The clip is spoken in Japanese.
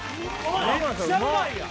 めっちゃうまいやん！